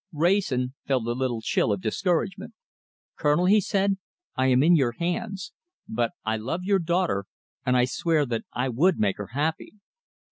Wrayson felt a little chill of discouragement. "Colonel," he said, "I am in your hands. But I love your daughter, and I swear that I would make her happy."